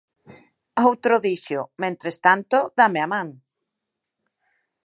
Outro dixo: "mentres tanto, dáme a man".